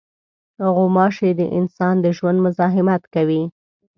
غوماشې د انسان د ژوند مزاحمت کوي.